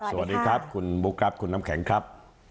สวัสดีครับคุณบุ๊คครับคุณน้ำแข็งครับ